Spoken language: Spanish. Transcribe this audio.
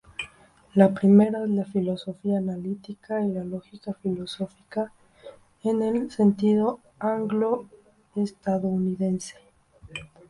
La primera es la filosofía analítica y la lógica filosófica en el sentido anglo-estadounidense.